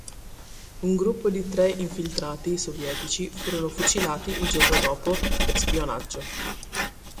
Un gruppo di tre infiltrati sovietici furono fucilati il giorno dopo per spionaggio.